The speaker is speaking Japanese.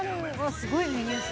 すごいメニュー数。